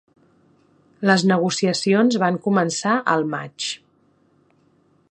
Les negociacions van començar al maig.